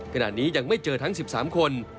ขณะนี้ยังไม่เจอทั้ง๑๓คน